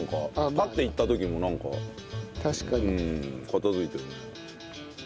パッて行った時もなんか片付いてるね。